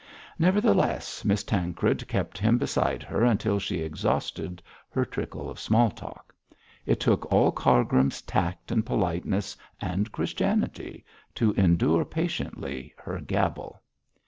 Nevertheless, Miss Tancred kept him beside her until she exhausted her trickle of small talk. It took all Cargrim's tact and politeness and Christianity to endure patiently her gabble.